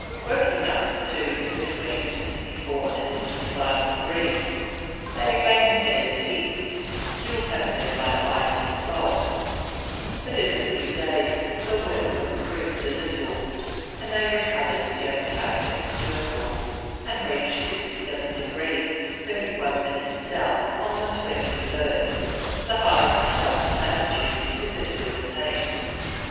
Working up to between 64 and 65 degrees, they again headed east still hampered by ice and fog, but in a few days the weather improved a little, and they recovered the Antarctic Circle, and reached 67 degrees 31 minutes South on the 23rd, the highest south latitude hitherto attained.